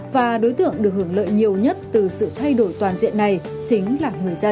và đối tượng được hưởng lợi nhiều nhất từ sự thay đổi toàn diện này chính là người dân